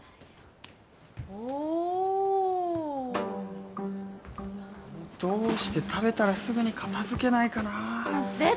おおどうして食べたらすぐに片づけないかな？ぜ